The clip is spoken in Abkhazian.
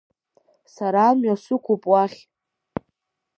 Сара амҩа сықәуп уахь…